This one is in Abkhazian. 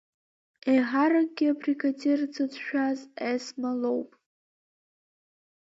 Еиҳаракгьы абригадир дзыцәшәаз Есма лоуп.